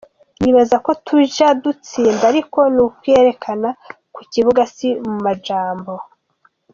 "Nibaza ko tuja gutsinda ariko ni ukuvyerekana ku kibuga si mu majambo.